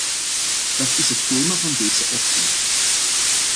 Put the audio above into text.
Dat is het thema van deze ochtend.